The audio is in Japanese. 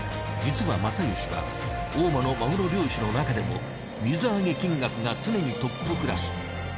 実は正義は大間のマグロ漁師のなかでも水揚げ金額が常にトップクラス。